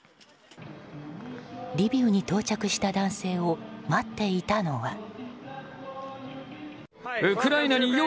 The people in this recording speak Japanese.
リビウに到着した男性を待っていたのは。